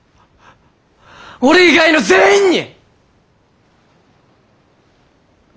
俺以外の全員に！